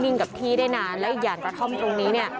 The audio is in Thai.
นิ่งกับที่ได้นานและอีกอย่างก็ท่อมตรงนี้